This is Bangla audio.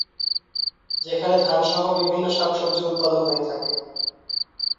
যেখানে ধান সহ বিভিন্ন শাকসবজি উৎপাদন হয়ে থাকে।